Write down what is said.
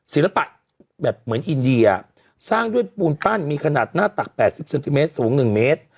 ศิลปะแบบเหมือนอินเดียสร้างด้วยปูนปั้นมีขนาดหน้าตัก๘๐เซนติเมตรสูง๑เมตร